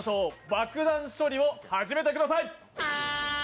爆弾処理を始めてください。